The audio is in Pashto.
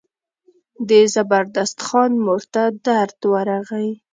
د زبردست خان مور ته درد ورغی.